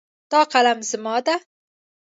دا قلم زما ده